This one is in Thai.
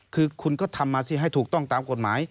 คือคุณก็ทำมาสิให้ถูกต้องตามกฎหมาย